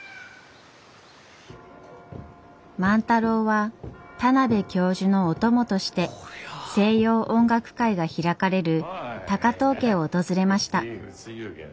万太郎は田邊教授のお供として西洋音楽会が開かれる高藤家を訪れました。